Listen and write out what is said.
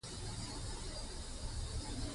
بادام د افغانستان د اقتصادي ودې لپاره پوره ارزښت لري.